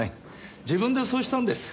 自分でそうしたんです。